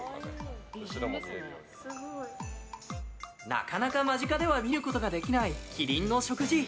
なかなか間近では見ることができないキリンの食事。